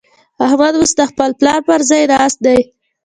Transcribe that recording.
احمد اوس د خپل پلار پر ځای ناست دی.